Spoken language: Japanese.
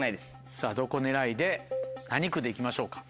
さぁどこ狙いで何区で行きましょうか？